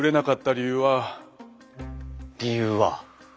理由は？